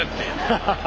ハハハ。